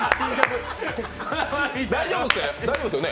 大丈夫ですよね？